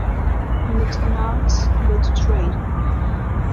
Not an art, but a trade.